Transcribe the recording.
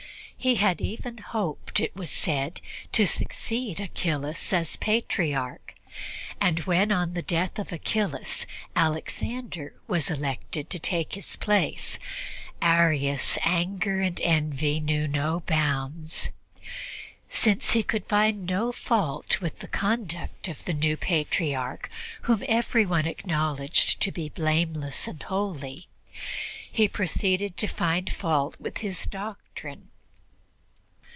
He had even hoped, it was said, to succeed Achillas as Patriarch; and when, on the death of Achillas, Alexander was elected to take his place, Arius' anger and envy knew no bounds. Since he could find no fault with the conduct of the new Patriarch, whom everyone acknowledged to be blameless and holy, he proceeded to find fault with his doctrine.